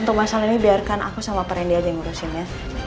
untuk masalah ini biarkan aku sama prendi aja ngurusin ya